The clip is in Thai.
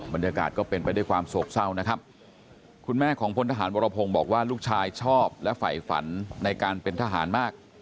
บรรยากาศก็เป็นไปด้วยความสวบเศร้านะครับ